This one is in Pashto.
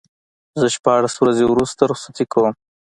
زه شپاړس ورځې وروسته رخصتي کوم.